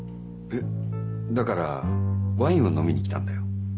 えっだからワインを飲みに来たんだよ。